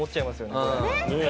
これ。